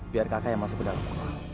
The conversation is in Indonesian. biar kakak yang masuk ke dalam